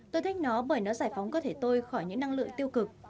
tôi thích nó bởi nó giải phóng cơ thể tôi khỏi những năng lượng tiêu cực